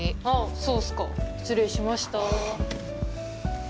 あっそうっすか失礼しました。